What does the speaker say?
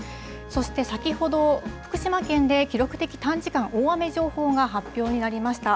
そして先ほど、福島県で記録的短時間大雨情報が発表になりました。